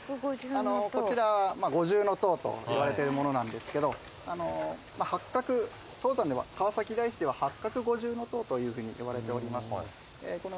こちら五重塔といわれてるものなんですけど当山川崎大師では八角五重塔というふうに呼ばれております。